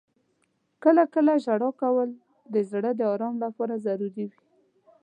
• کله کله ژړا کول د زړه د آرام لپاره ضروري وي.